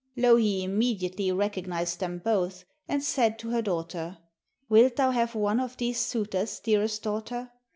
Louhi immediately recognised them both, and said to her daughter: 'Wilt thou have one of these suitors, dearest daughter?